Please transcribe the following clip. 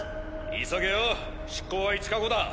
急げよ出港は５日後だ。